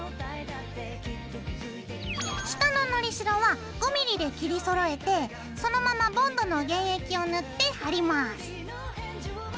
下ののりしろは５ｍｍで切りそろえてそのままボンドの原液を塗って貼ります。